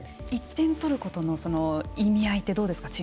１点を取ることの意味合いってどうですか。